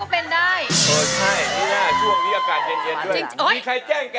ร้องได้ให้ร้าน